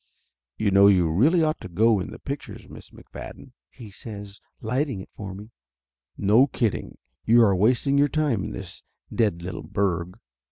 "You know you really ought to go in the pictures, Laughter Limited 25 Miss McFadden!" he says, lighting it for me. "No kidding; you are wasting your time in this dead little burg."